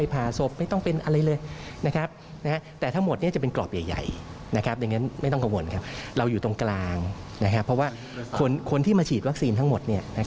เพราะว่าคนที่มาฉีดวัคซีนทั้งหมด